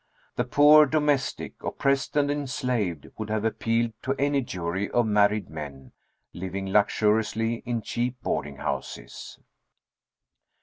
The poor domestic, oppressed and enslaved, would have appealed to any jury of married men, living luxuriously in cheap boarding houses!